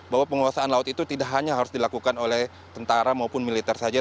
bahwa penguasaan laut itu tidak hanya harus dilakukan oleh tentara maupun militer saja